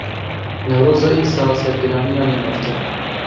Newroza îsal sergiraniyan li me dike.